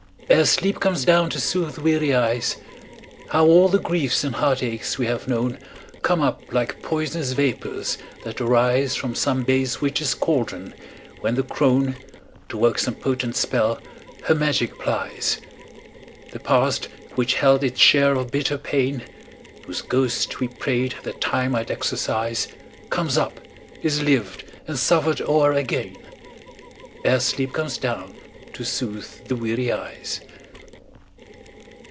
Ere sleep comes down to soothe the weary eyes, How all the griefs and heartaches we have known Come up like pois'nous vapors that arise From some base witch's caldron, when the crone, To work some potent spell, her magic plies. The past which held its share of bitter pain, Whose ghost we prayed that Time might exorcise, Comes up, is lived and suffered o'er again, Ere sleep comes down to soothe the weary eyes.